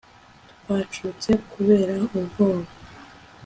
Twacutse kubera ubwoba